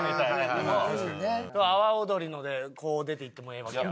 阿波踊りのでこう出ていってもええわけや。